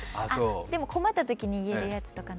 でも困ったときに言えるやつとか。